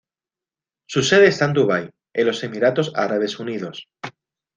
Su sede está en Dubái, en los Emiratos Árabes Unidos.